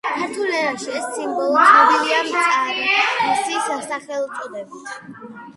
ქართულ ენაში ეს სიმბოლო ცნობილია „მრწამსის“ სახელწოდებით.